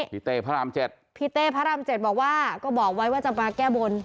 เต้พระราม๗พี่เต้พระราม๗บอกว่าก็บอกไว้ว่าจะมาแก้บน